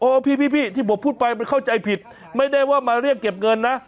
พี่ที่ผมพูดไปมันเข้าใจผิดไม่ได้ว่ามาเรียกเก็บเงินนะ